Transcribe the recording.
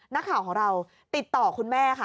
นักข่าวของเราติดต่อคุณแม่ค่ะ